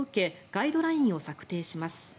ガイドラインを策定します。